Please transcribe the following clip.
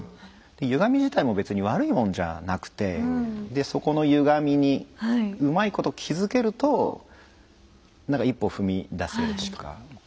ゆがみ自体も別に悪いもんじゃなくてそこのゆがみにうまいこと気付けるとなんか一歩踏み出せる。